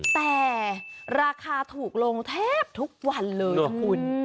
แต่ราคาถูกลงแทบทุกวันเลยคุณ